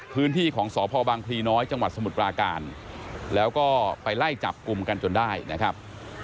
พื้นที่ของสพบังพลีน้อยจังหวัดสมุทรปราการแล้วก็ไปไล่จับกลุ่มกันจนได้นะครับ